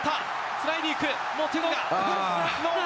つないでいく。